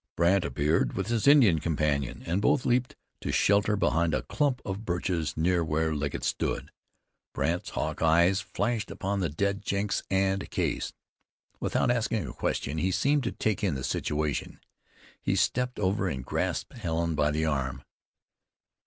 Brandt appeared with his Indian companion, and both leaped to shelter behind a clump of birches near where Legget stood. Brandt's hawk eyes flashed upon the dead Jenks and Case. Without asking a question he seemed to take in the situation. He stepped over and grasped Helen by the arm.